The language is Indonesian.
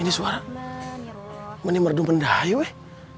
ini suara menimberdum pendahaya weh